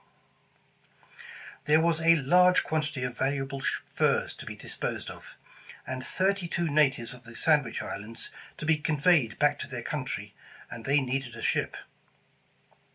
217 The Original John Jacob Astor There was a large quantity of valuable furs to be disposed of, and thirty two natives of the Sandwich Is lands to be conveyed back to their country, and they needed a ship.